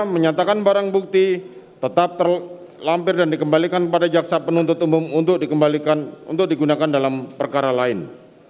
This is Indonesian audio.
menyatakan barang bukti tetap terlampir dan dikembalikan kepada jaksa penuntut umum untuk digunakan dalam perkara lain